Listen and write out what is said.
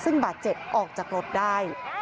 ซึ่งบาดเจ็บออกจากรถได้